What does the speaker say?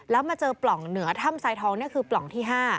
แล้วมาเจอปล่องเหนือถ้ำทรายทองนี่คือปล่องที่๕